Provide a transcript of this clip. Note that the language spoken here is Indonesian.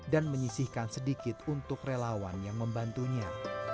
dan menyisihkan sedikit untuk relawan yang membantunya